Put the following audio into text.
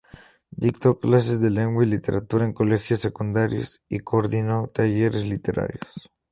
Dictó clases de Lengua y Literatura en colegios secundarios y coordinó talleres literarios.